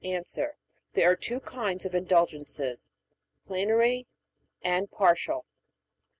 A. There are two kinds of Indulgences Plenary and Partial.